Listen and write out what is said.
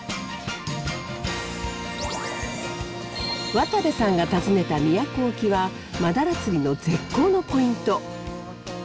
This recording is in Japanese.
渡部さんが訪ねた宮古沖はマダラ釣りの絶好のポイント。